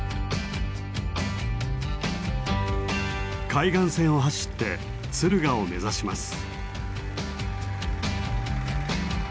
海岸線を走って敦賀を目指します。